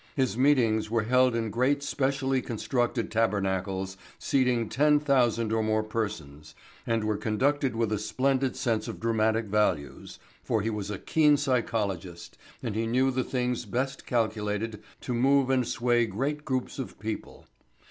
His meetings were held in great specially constructed tabernacles seating ten thousand or more persons and were conducted with a splendid sense of dramatic values for he was a keen psychologist and he knew the things best calculated to move and sway great groups of people.